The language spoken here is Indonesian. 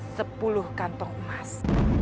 sepuluh kantong emas